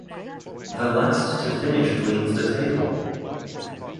The last to finish cleans the table.